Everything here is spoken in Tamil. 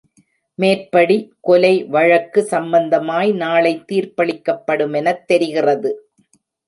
மேற்படி கொலை வழக்கு சம்பந்தமாய் நாளைத் தீர்ப்பளிக்கப்படுமெனத் தெரிகிறது.